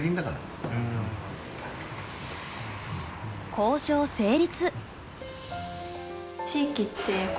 交渉成立。